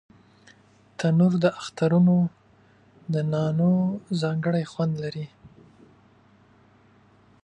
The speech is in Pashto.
تنور د اخترونو د نانو ځانګړی خوند لري